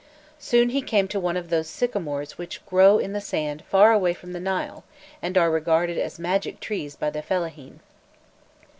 Soon he came to one of those sycamores which grow in the sand far away from the Nile, and are regarded as magic trees by the fellahîn.